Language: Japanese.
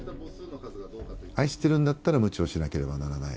愛してるんだったら、むちをしなければならない。